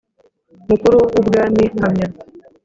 Mukuru w ubwami hamya